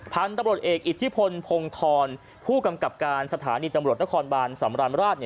พันธุ์ตำรวจเอกอิทธิพลพงธรผู้กำกับการสถานีตำรวจนครบานสำราญราช